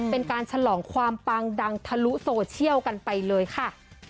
เป็นการฉลองความปังดังทะลุโซเชียลกันไปเลยค่ะ